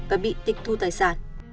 và bị tịch thu tài sản